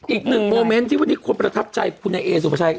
อีกหนึ่งโมเมนต์ที่วันนี้คนประทับใจคุณนายเอสุภาชัย